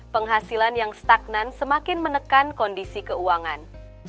penghasilan yang stagnan semakin menekan kondisi keuangan